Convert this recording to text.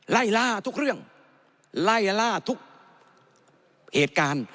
ไล่ล่าทุกเรื่องไล่ล่าทุกเหตุการณ์